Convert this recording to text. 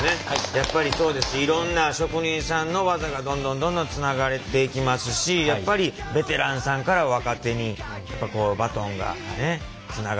やっぱりそうですしいろんな職人さんの技がどんどんどんどんつながれていきますしやっぱりベテランさんから若手にバトンがつながって。